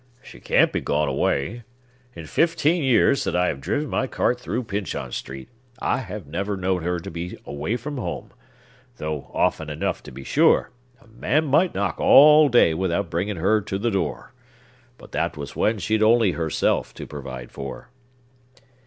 "She can't be gone away! In fifteen years that I have driven my cart through Pyncheon Street, I've never known her to be away from home; though often enough, to be sure, a man might knock all day without bringing her to the door. But that was when she'd only herself to provide for."